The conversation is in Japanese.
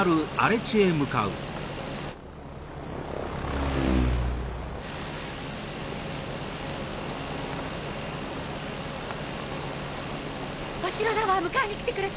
お城だわ迎えに来てくれた！